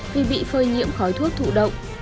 vì bị phơi nhiễm khói thuốc thụ động